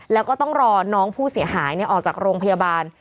แล้วก็ต้องรอน้องผู้เสียหายออกจากโรงพยาบาล